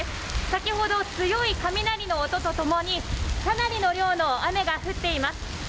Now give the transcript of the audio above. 先ほど強い雷の音と共にかなりの量の雨が降っています。